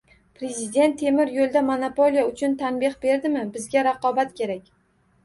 Prezident temir yo'lda monopoliya uchun tanbeh berdimi? Bizga raqobat kerak